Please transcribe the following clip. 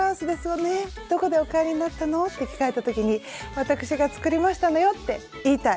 どこでお買いになったの？」って聞かれた時に「わたくしが作りましたのよ！」って言いたい！